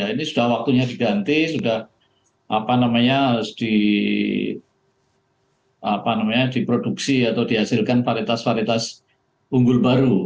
ini sudah waktunya diganti sudah diproduksi atau dihasilkan paritas paritas unggul baru